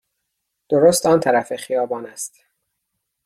درست آن طرف خیابان است.